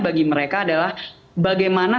bagi mereka adalah bagaimana